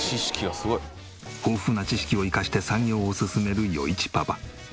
豊富な知識を生かして作業を進める余一パパ。